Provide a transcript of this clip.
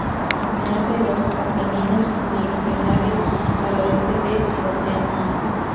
Nace en los Apeninos meridionales, al oeste de Potenza.